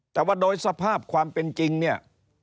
แต่ว่าโดยสภาพความเป็นจริงเนี่ย